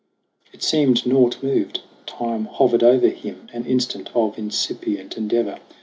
It seemed naught moved. Time hovered over him, An instant of incipient endeavor.